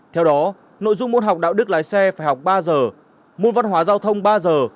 theo đó nội dung môn học đạo đức lái xe phải học ba giờ môn văn hóa giao thông ba giờ